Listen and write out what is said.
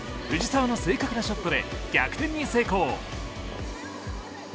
藤澤の正確なショットで逆転に成功。